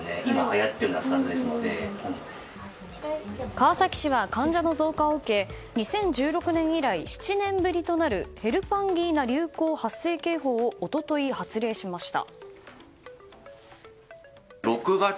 川崎市は患者の増加を受け２０１６年以来７年ぶりとなるヘルパンギーナ流行発生警報を一昨日、発令しました。